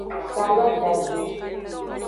Saladagbe.